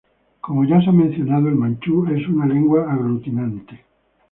Como ya se ha mencionado, el manchú es una lengua aglutinante.